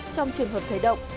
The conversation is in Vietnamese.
trong trường hợp thấy động